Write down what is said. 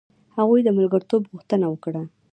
هغوی د ملګرتوب غوښتنه وکړه.